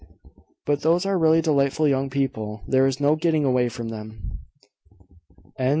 But those are really delightful young people. There is no getting away from them." CHAPTER THIRTY FIVE.